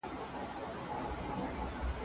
د مصرف کوونکو رضایت د بازار د بقا شرط دی.